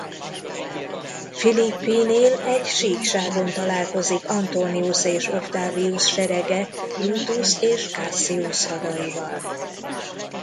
Philippinél egy síkságon találkozik Antonius és Octavius serege Brutus és Cassius hadaival.